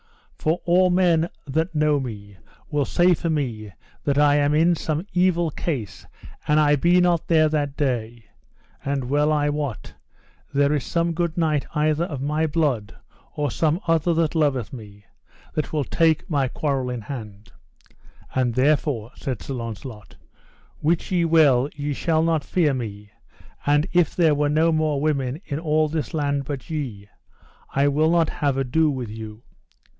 For all men that know me will say for me that I am in some evil case an I be not there that day; and well I wot there is some good knight either of my blood, or some other that loveth me, that will take my quarrel in hand; and therefore, said Sir Launcelot, wit ye well ye shall not fear me; and if there were no more women in all this land but ye, I will not have ado with you.